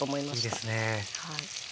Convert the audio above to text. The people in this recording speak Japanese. いいですね。